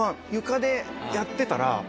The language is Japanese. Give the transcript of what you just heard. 床でやってたら。